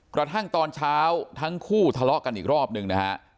กระทั่งตอนเช้าทั้งคู่ทะเลาะกันอีกรอบนึงนะฮะ